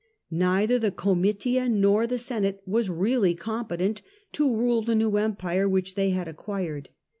Neither the Comitia nor the Senate was really competent to rule the new empire which they had acquired.